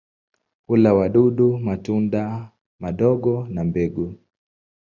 Hula wadudu, matunda madogo na mbegu.